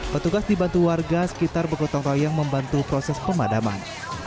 petugas dibantu warga sekitar bergotong royong membantu proses pemadaman